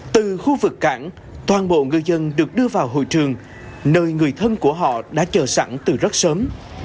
từ khu vực cảng toàn bộ ngư dân được đưa vào hội trường nơi người thân của họ đã chờ sẵn từ rất sớm